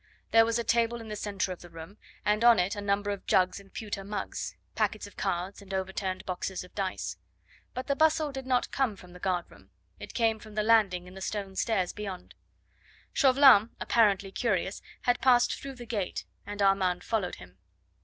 There was a table in the centre of the room, and on it a number of jugs and pewter mugs, packets of cards, and overturned boxes of dice. But the bustle did not come from the guard room; it came from the landing and the stone stairs beyond. Chauvelin, apparently curious, had passed through the gate, and Armand followed him.